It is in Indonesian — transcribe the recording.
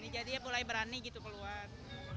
jadi ya mulai berani gitu keluar